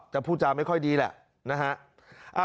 พูดจาไม่ค่อยดีแหละนะฮะ